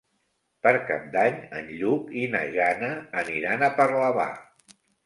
Per Cap d'Any en Lluc i na Jana aniran a Parlavà.